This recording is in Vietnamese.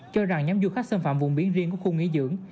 cho rằng nhóm du khách xâm phạm vùng biển riêng của khu nghỉ dưỡng